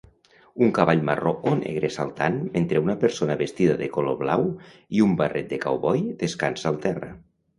Un cavall marró o negre saltant, mentre una persona vestida de color blau i un barret de cowboy descansa al terra.